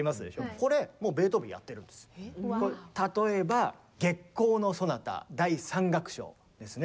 これ例えば「月光」のソナタ第３楽章ですね。